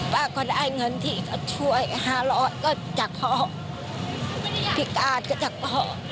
พ่อก็ได้เงินที่เขาช่วย๕๐๐ก็จะพอพิการก็จะพอ